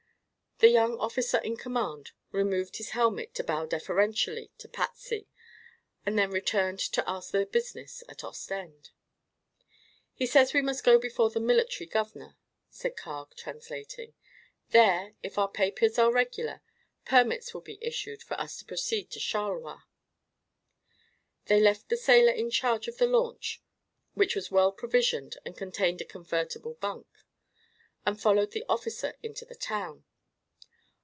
The young officer in command removed his helmet to bow deferentially to Patsy and then turned to ask their business at Ostend. "He says we must go before the military governor," said Carg, translating. "There, if our papers are regular, permits will be issued for us to proceed to Charleroi." They left the sailor in charge of the launch, which was well provisioned and contained a convertible bunk, and followed the officer into the town.